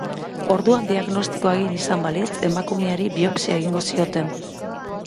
Orduan diagnostikoa egin izan balitz, emakumeari biopsia egingo zioten.